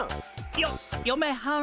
よよめはん？